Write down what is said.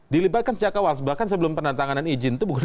dilibatkan sejak awal bahkan sebelum penantangan dan izin itu bisa dilakukan